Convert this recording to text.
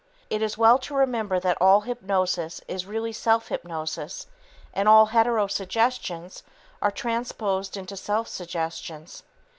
It is well to remember that all hypnosis is really self hypnosis, and all hetero suggestions are transposed into self suggestions.